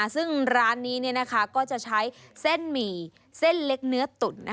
ซึ่งร้านนี้ก็จะใช้เส้นหมี่เส้นเล็กเนื้อตุ๋น